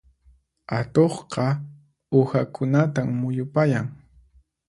Atuqqa uhakunatan muyupayan.